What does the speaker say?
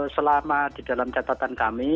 selama di dalam catatan kami